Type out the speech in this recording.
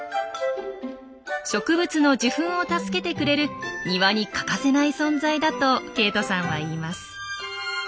植物の受粉を助けてくれる庭に欠かせない存在だとケイトさんは言います。